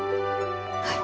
はい。